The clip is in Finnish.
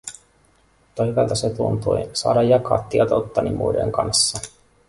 Mutta hyvältä se tuntui, saada jakaa tietouttani muiden kanssa.